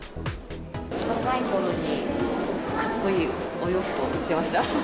若いころに、かっこいいお洋服を売っていました。